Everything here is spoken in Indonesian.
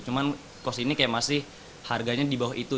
cuman cost ini kayak masih harganya di bawah itu